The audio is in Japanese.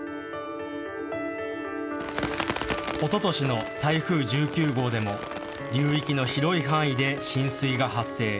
おととしの台風１９号でも流域の広い範囲で浸水が発生。